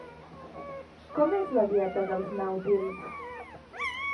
Com és la dieta dels nàutils?